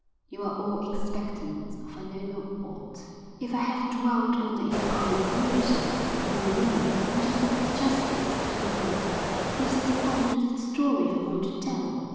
You are all expectant of I know not what. If I have dwelt on the incongruity of Honolulu, it is because just this, to my mind, gives its point to the story I want to tell.